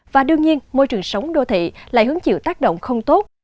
và đương nhiên môi trường sống đô thị lại hứng chịu tác động không tốt